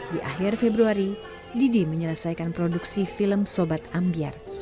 di akhir februari deddy menyelesaikan produksi film sobat ambyar